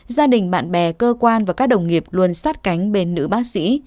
gia đình bạn bè cơ quan và các đồng nghiệp luôn sát cánh bên nữ bác sĩ